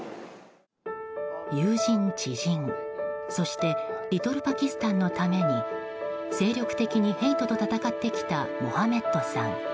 友人、知人そしてリトルパキスタンのために精力的にヘイトと闘ってきたモハメッドさん。